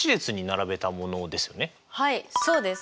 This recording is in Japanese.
はいそうです。